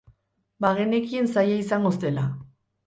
Bagenekien zaila izango zela.